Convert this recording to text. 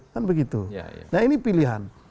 kan begitu nah ini pilihan